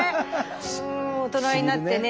大人になってね